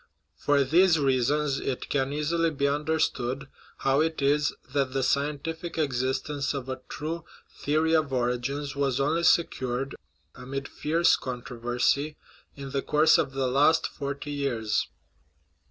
For these reasons it can easily be under stood how it is that the scientific existence of a true the ory of origins was only secured, amid fierce controversy, in the course of the last forty years.